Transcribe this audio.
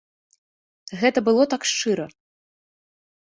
Гэта было так шчыра.